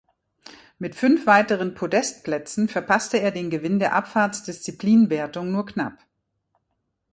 Mit fünf weiteren Podestplätzen verpasste er den Gewinn der Abfahrts-Disziplinenwertung nur knapp.